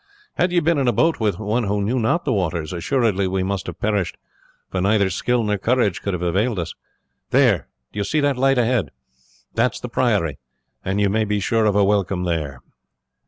Had you been in a boat with one who knew not the waters, assuredly we must have perished, for neither skill nor courage could have availed us. There! do you see that light ahead? That is the priory, and you may be sure of a welcome there."